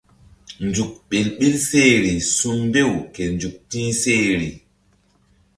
Nzuk ɓel ɓil sehri su̧mbew ke nzuk ti̧h sehri.